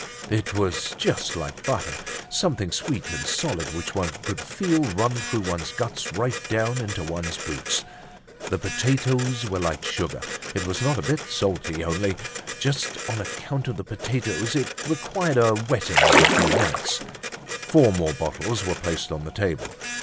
It was just like butter! Something sweet and solid which one could feel run through one's guts right down into one's boots. The potatoes were like sugar. It was not a bit salty; only, just on account of the potatoes, it required a wetting every few minutes. Four more bottles were placed on the table.